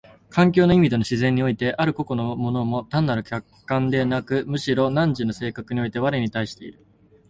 環境の意味での自然においてある個々の物も単なる客観でなく、むしろ汝の性格において我に対している。